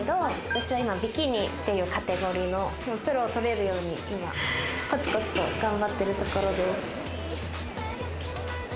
私は今、ビキニっていうカテゴリのプロを取れるように今コツコツと頑張っているところです。